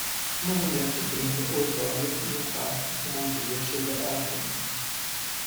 Uma mulher cobrindo os olhos em um parque como o dia chega ao fim